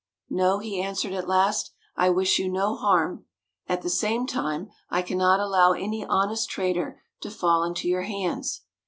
"No," he answered at last; "I wish you no harm; at the same time, I cannot allow any honest trader to fall into your hands.